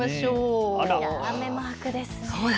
雨マークですね。